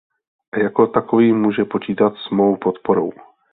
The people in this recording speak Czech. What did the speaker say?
A jako takový může počítat s mou podporou.